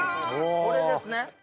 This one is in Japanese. これですね。